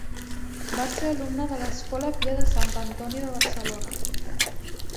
Va ser alumne de l'Escola Pia de Sant Antoni de Barcelona.